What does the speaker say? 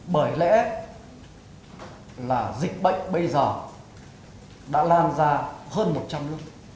bởi lẽ là dịch bệnh bây giờ đã lan ra hơn một trăm linh nước